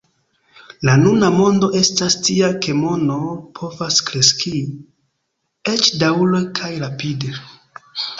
La nuna mondo estas tia ke mono povas kreski, eĉ daŭre kaj rapide.